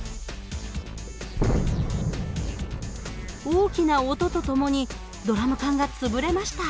大きな音とともにドラム缶が潰れました。